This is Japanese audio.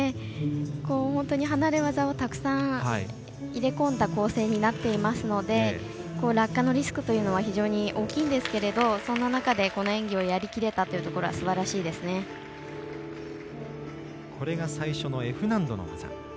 本当に離れ技をたくさん入れ込んだ構成になっていますので落下のリスクというのは非常に大きいですけれどそんな中でこの演技をやり切れたというところは最初のＦ難度の技。